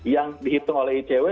yang dihitung oleh icw